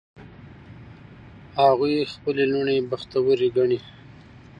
هغوی خپلې لوڼې بختوری ګڼي